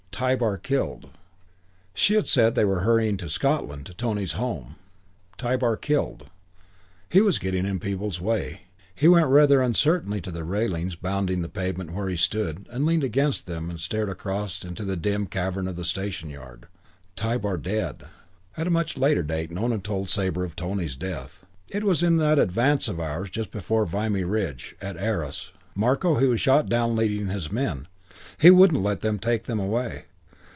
Tybar killed. She had said they were hurrying to Scotland, to Tony's home. Tybar killed! He was getting in people's way. He went rather uncertainly to the railings bounding the pavement where he stood, and leaned against them and stared across into the dim cavern of the station yard. Tybar dead.... [Footnote 2: At a much later date Nona told Sabre of Tony's death: "It was in that advance of ours. Just before Vimy Ridge. At Arras. Marko, he was shot down leading his men. He wouldn't let them take him away.